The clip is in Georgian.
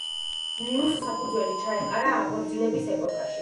ნიუს საფუძველი ჩაეყარა აღორძინების ეპოქაში.